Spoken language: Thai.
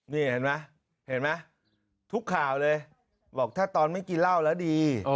นี่เห็นไหมเห็นไหมทุกข่าวเลยบอกถ้าตอนไม่กินเหล้าแล้วดี